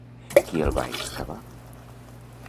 Qui el va excavar?